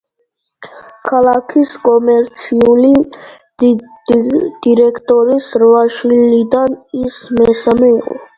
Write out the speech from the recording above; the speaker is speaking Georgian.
ქალაქის კომერციული დირექტორის რვა შვილიდან ის მესამე იყო.